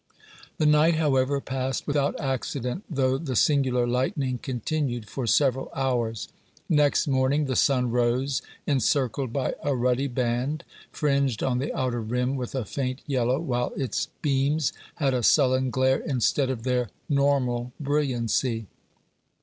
The night, however, passed without accident, though the singular lightning continued for several hours. Next morning the sun rose, encircled by a ruddy band, fringed on the outer rim with a faint yellow, while its beams had a sullen glare instead of their normal brilliancy.